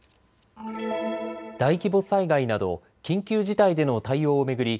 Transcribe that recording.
大規模災害など緊急事態での対応を巡り